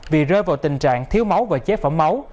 vì rơi vào tình trạng thiếu máu và chế phẩm máu